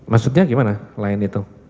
maksudnya gimana lain itu